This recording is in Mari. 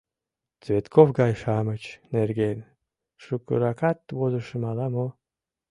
Цветков гай-шамыч нерген шукыракат возышым ала-мо.